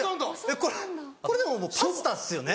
これこれでももうパスタですよね。